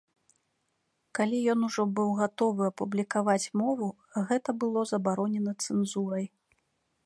Калі ён ужо быў гатовы апублікаваць мову, гэта было забаронена цэнзурай.